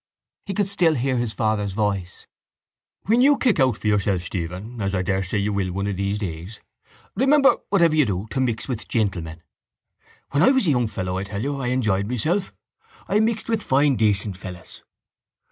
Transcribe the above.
He could still hear his father's voice— —When you kick out for yourself, Stephen—as I daresay you will one of these days—remember, whatever you do, to mix with gentlemen. When I was a young fellow I tell you I enjoyed myself. I mixed with fine decent fellows.